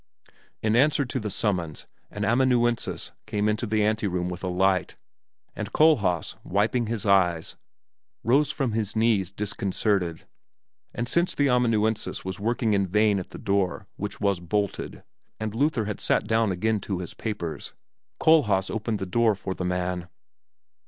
In answer to the summons an amanuensis came into the anteroom with a light, and Kohlhaas, wiping his eyes, rose from his knees disconcerted; and since the amanuensis was working in vain at the door, which was bolted, and Luther had sat down again to his papers, Kohlhaas opened the door for the man.